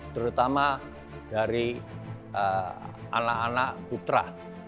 terutama dari anak anak putra